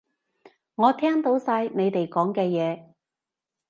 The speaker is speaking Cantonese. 我聽到晒你哋講嘅嘢